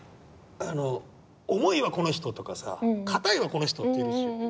あの「重いわこの人」とかさ「硬いわこの人」っているでしょ。